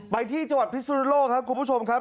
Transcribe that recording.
ไปที่จังหวัดพิสุนโลกครับคุณผู้ชมครับ